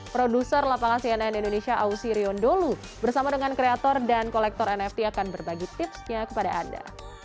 produser lapangan cnn indonesia ausi riondolu bersama dengan kreator dan kolektor nft akan berbagi tipsnya kepada anda